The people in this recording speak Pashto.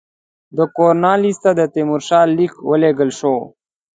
د کورنوالیس ته د تیمورشاه لیک ولېږل شو.